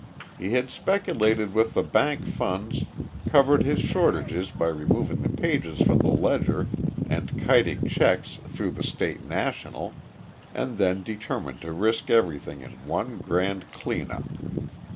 He had speculated with the bank funds, covered his shortages by removing the pages from the ledger and kiting checks through the State National, and then determined to risk everything in one grand clean up.